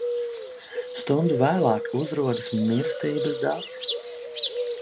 Stundu vēlāk uzrodas mirstības dati.